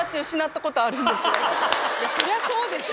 そりゃそうでしょ。